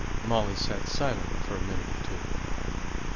Molly sat silent for a minute or two.